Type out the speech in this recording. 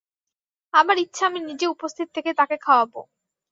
আমার ইচ্ছা আমি নিজে উপস্থিত থেকে তাঁকে খাওয়াব।